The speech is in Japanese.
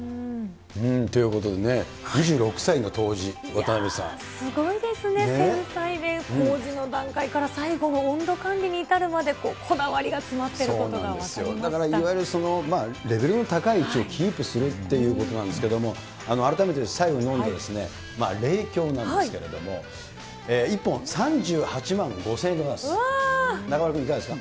ということでね、すごいですね、繊細で、こうじの段階から最後の温度管理に至るまでこだわりが詰まってるだからいわゆるその、レベルの高い位置をキープするということなんですけれども、改めて最後に飲んだ、零響なんですけれども、１本３８万５０００円でございます。